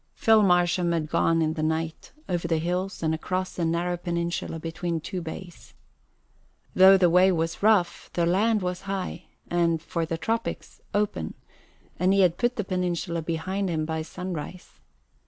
Phil Marsham had gone in the night over the hills and across the narrow peninsula between two bays. Though the way was rough, the land was high and for the tropics open, and he had put the peninsula behind him by sunrise.